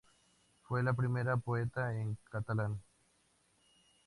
Fue la primera poeta en catalán.